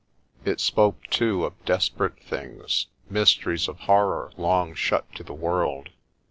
It spoke, too, of desperate things, mysteries of horror long shut to the world.